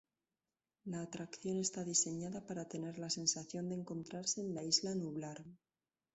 La atracción está diseñada para tener la sensación de encontrarse en la isla Nublar.